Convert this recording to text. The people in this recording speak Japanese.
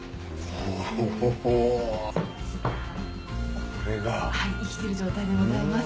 はい生きてる状態でございます。